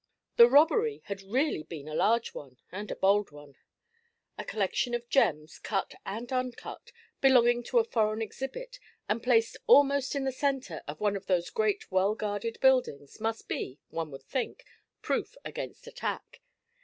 The robbery had really been a large one, and a bold one. A collection of gems, cut and uncut, belonging to a foreign exhibit, and placed almost in the centre of one of those great well guarded buildings, must be, one would think, proof against attack.